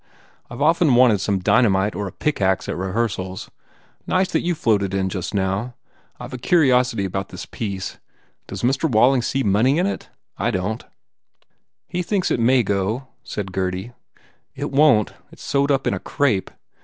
I ve often wanted some dynamite or a pickax at rehearsals. Nice that you floated in just now. I ve a curiosity about this piece. Does Mr. Walling see money in it? I don t." 199 THE FAIR REWARDS "He thinks it may go," said Gurdy. "It won t. It s sewed up in a crape.